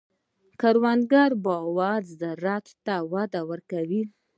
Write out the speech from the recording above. د کروندګر باور زراعت ته وده ورکوي.